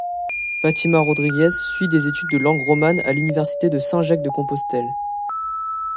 Fátima Rodríguez suit des études de langues romanes à l'université de Saint-Jacques-de-Compostelle.